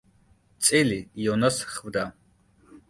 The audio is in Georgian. წილი იონას ხვდა.